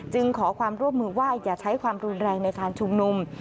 ขอความร่วมมือว่าอย่าใช้ความรุนแรงในการชุมนุม